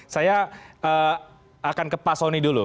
saya akan ke pak soni dulu